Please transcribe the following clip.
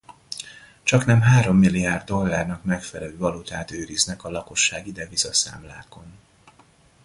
Csaknem hárommilliárd dollárnak megfelelő valutát őriznek a lakossági devizaszámlákon